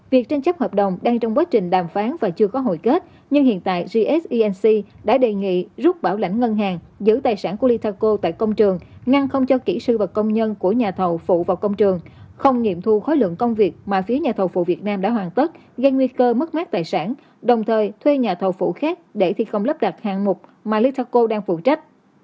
việc tranh chấp hợp đồng đang trong quá trình đàm phán và chưa có hồi kết nhưng hiện tại gsenc đã đề nghị rút bảo lãnh ngân hàng giữ tài sản của lytaco tại công trường ngăn không cho kỹ sư và công nhân của nhà thầu phụ vào công trường không nghiệm thu khối lượng công việc mà phía nhà thầu phụ việt nam đã hoàn tất gây nguy cơ mất mát tài sản đồng thời thuê nhà thầu phụ khác để thi công lắp đặt hàng mục mà lytaco đang phụ trách